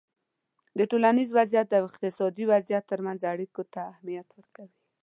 د ټولنیز وضععیت او اقتصادي وضعیت ترمنځ اړیکو ته اهمیت ورکوی